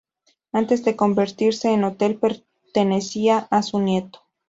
Antes de convertirse en hotel pertenecía a su nieto.